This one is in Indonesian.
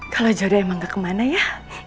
kalau jory emang gak kemana ya